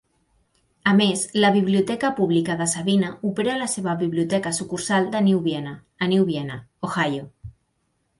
A més, la Biblioteca Pública de Sabina opera la seva biblioteca sucursal de New Vienna a New Vienna, Ohio.